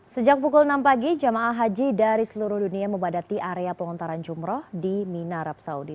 sejak pukul enam pagi jemaah haji dari seluruh dunia membadati area pengontaran jumroh di mina arab saudi